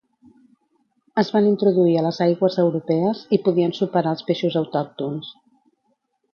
Es van introduir a les aigües europees i podien superar els peixos autòctons.